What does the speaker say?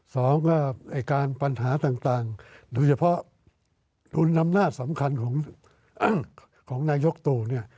สองก็การปัญหาต่างดูเฉพาะอุณหำนาจสำคัญของนายกตัวเนี่ย